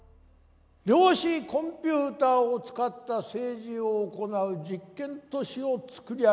量子コンピューターを使った政治を行う実験都市を作り上げました。